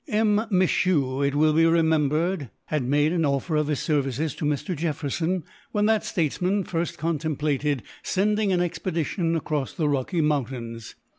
M. Michau, it will be remembered, had made an offer of his services to Mr. Jefferson, when that statesman first contemplated sending an expedition across the Rocky Mountains.